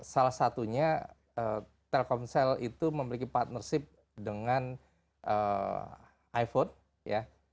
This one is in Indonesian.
salah satunya telkomsel itu memiliki partnership dengan iphone ya